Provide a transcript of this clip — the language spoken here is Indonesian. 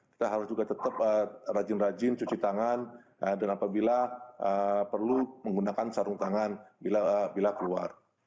kita harus juga tetap rajin rajin cuci tangan dan apabila perlu menggunakan sarung tangan bila keluar